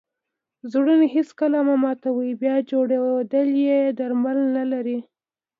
زړونه هېڅکله مه ماتوئ! بیا جوړېدل ئې درمل نه لري.